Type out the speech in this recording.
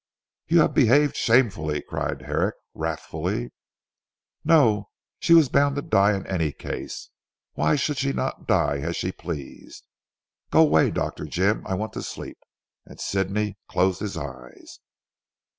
"You have behaved shamefully," cried Herrick wrathfully. "No. She was bound to die in any case. Why should she not die as she pleased? Go away, Dr. Jim, I want to sleep," and Sidney closed his eyes.